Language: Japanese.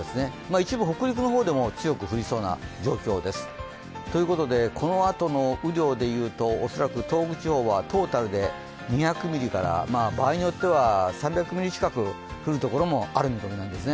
一部、北陸の方でも強く降りそうな状況ですということで、このあとの雨量でいうと恐らく東北地方はトータルで２００ミリからばあいによっては３００ミリ近く降るところもありそうなんです。